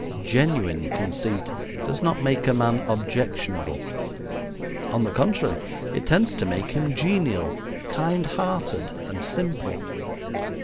Genuine conceit does not make a man objectionable. On the contrary, it tends to make him genial, kind hearted, and simple.